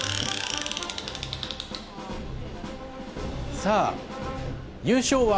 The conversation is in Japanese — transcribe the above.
さあ、優勝は？